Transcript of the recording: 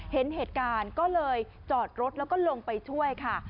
เห็นเหตุการณ์ก็เลยจอดรถแล้วก็ลงไปช่วยค่ะ